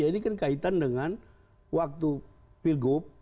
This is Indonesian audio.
ini kan kaitan dengan waktu pilgub